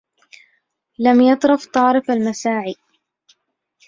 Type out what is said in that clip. لم يطرف طارف المساعي